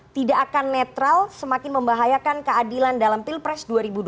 tidak akan netral semakin membahayakan keadilan dalam pilpres dua ribu dua puluh